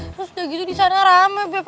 terus udah gitu di sana rame bep